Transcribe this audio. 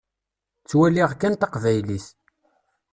Ttwaliɣ kan taqbaylit.